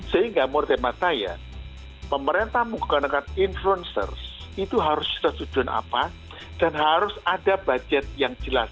sehingga menurut tema saya pemerintah menggunakan influencers itu harus tersujud apa dan harus ada budget yang jelas